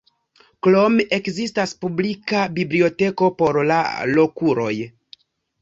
Krome, ekzistas publika biblioteko por la lokuloj.